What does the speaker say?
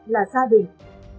là gia đình